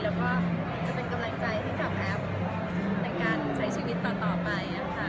แล้วก็จะเป็นกำลังใจให้กับแอฟในการใช้ชีวิตต่อไปนะคะ